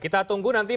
kita tunggu nanti